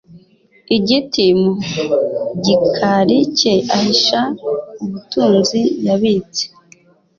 Igiti mu gikari cye ahisha ubutunzi yabitse